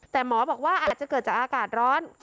แต่หมอบอกว่าอาจจะเกิดจากอากาศร้อน